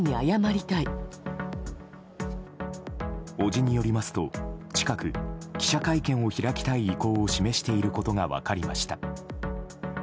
伯父によりますと近く記者会見を開きたい意向を示していることが分かりました。